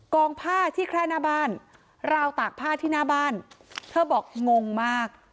องผ้าที่แคร่หน้าบ้านราวตากผ้าที่หน้าบ้านเธอบอกงงมาก